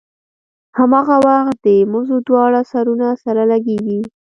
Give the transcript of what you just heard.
هماغه وخت د مزو دواړه سرونه سره لګېږي.